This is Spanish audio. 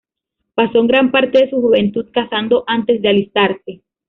Pasó gran parte de su juventud cazando, antes de alistarse.